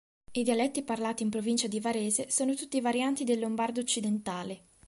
I dialetti parlati in Provincia di Varese sono tutti varianti del Lombardo occidentale.